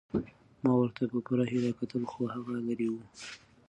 ما ورته په پوره هیله کتل خو هغه لیرې وه.